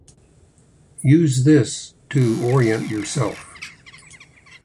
Use this to orient yourself.